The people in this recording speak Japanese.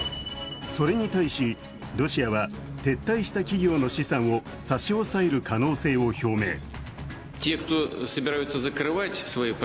それに対し、ロシアは撤退した企業の資産を差し押さえる可能性を表明。